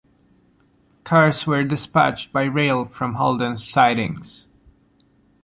Cars were dispatched by rail from Holdens' sidings.